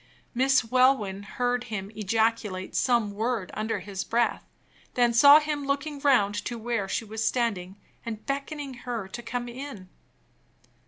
Miss Welwyn heard him ejaculate some word under his breath, then saw him looking round to where she was standing, and beckoning to her to come in.